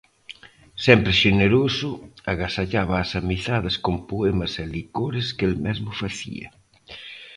Sempre xeneroso, agasallaba ás amizades con poemas e licores que el mesmo facía.